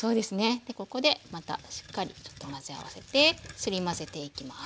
でここでまたしっかりちょっと混ぜ合わせてすり混ぜていきます。